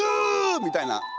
みたいな。